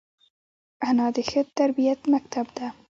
انا د ښه تربیت مکتب ده